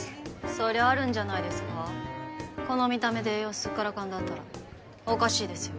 そりゃあるんじゃないですかこの見た目で栄養すっからかんだったらおかしいですよ